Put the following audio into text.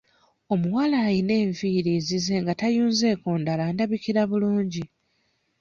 Omuwala ayina enviiri ezize nga tayunzeeko ndala andabikira bulungi.